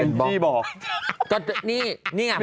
แองจีบอก